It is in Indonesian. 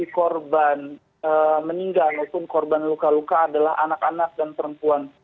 jadi korban meninggal ataupun korban luka luka adalah anak anak dan perempuan